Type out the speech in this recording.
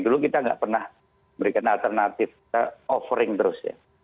dulu kita nggak pernah memberikan alternatif offering terus ya